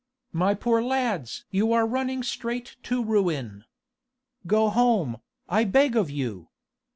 My poor lads! you are running straight to ruin! Go home, I beg of you!